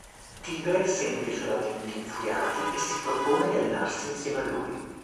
Tigre sente i suoi lamenti infuriati e si propone di allenarsi insieme a lui.